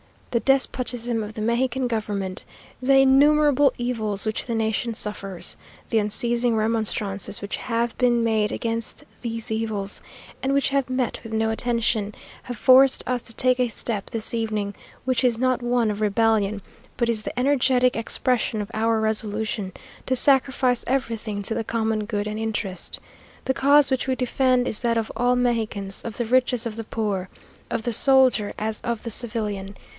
The despotism of the Mexican government, the innumerable evils which the nation suffers, the unceasing remonstrances which have been made against these evils, and which have met with no attention, have forced us to take a step this evening, which is not one of rebellion, but is the energetic expression of our resolution to sacrifice everything to the common good and interest. The cause which we defend is that of all Mexicans; of the rich as of the poor; of the soldier as of the civilian.